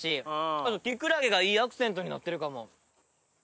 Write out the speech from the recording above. あとキクラゲがいいアクセントになってるかも。